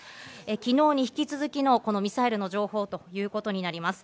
昨日に引き続きのこのミサイルの情報ということになります。